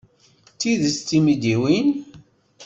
D tidet d imidiwen?